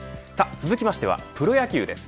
続きましてはプロ野球です。